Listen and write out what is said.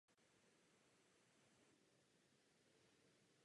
Rasismus ve společnosti se odráží v rasismu ve sportu.